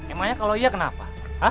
emangnya kalau iya kenapa